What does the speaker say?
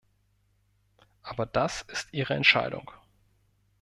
Aber das ist Ihre Entscheidung!